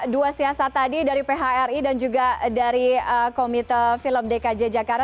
dua siasat tadi dari phri dan juga dari komite film dkj jakarta